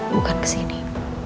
bukan ke sini